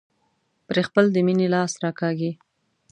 پرې خپل د مينې لاس راکاږي.